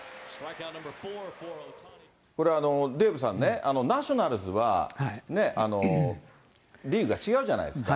これ、デーブさんね、ナショナルズは、リーグが違うじゃないですか。